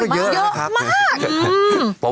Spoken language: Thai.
เนี้ยเยอะมากนะ๑๒๐กิโลกรัมเยอะมาก